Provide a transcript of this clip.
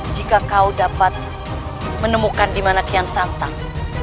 jika kau dapat menemukan di mana kian santang